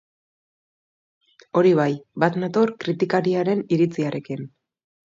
Hori bai, bat nator kritikariaren iritziarekin.